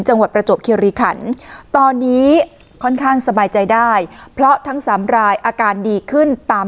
จังหวัดประจบเครียริขันตอนนี้ค่อนข้างสบายใจได้เพราะทั้ง๓รายอาการดีขึ้นตาม